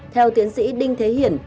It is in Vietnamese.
theo tiến sĩ đinh thế hiển